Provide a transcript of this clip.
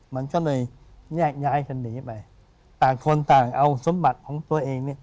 มันก็เลยแยกย้ายกันหนีไปต่างคนต่างเอาสมบัติของตัวเองเนี่ย